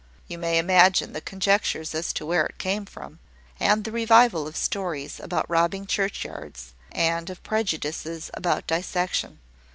You may imagine the conjectures as to where it came from, and the revival of stories about robbing churchyards, and of prejudices about dissection.